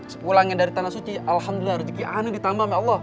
sepulangnya dari tanah suci alhamdulillah rejeki aneh ditambah oleh allah